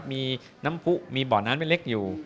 มีน้ำผู้มีบ่อน้ำเล็กอยู่